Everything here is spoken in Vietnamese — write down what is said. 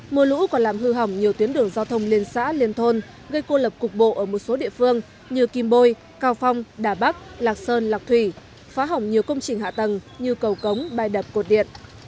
mưa lũ còn làm hư hỏng nhiều tuyến đường giao thông liên xã liên thôn gây cô lập cục bộ ở một số địa phương như kim bôi cao phong đà bắc lạc sơn lạc thủy phá hỏng nhiều công trình hạ tầng như cầu cống bài đập cột điện